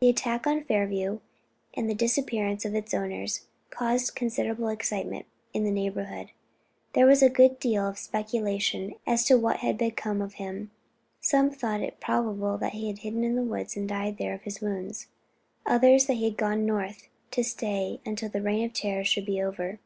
The attack on Fairview and the disappearance of its owner, caused considerable excitement in the neighborhood; there was a good deal of speculation as to what had become of him: some thought it probable that he had hidden in the woods and died there of his wounds; others that he had gone North to stay until the reign of terror should be over.